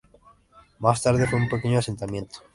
Más tarde, fue un pequeño asentamiento.